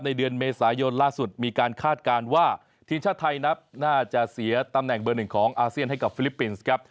เดือนเมษายนล่าสุดมีการคาดการณ์ว่าทีมชาติไทยนับน่าจะเสียตำแหน่งเบอร์หนึ่งของอาเซียนให้กับฟิลิปปินส์ครับ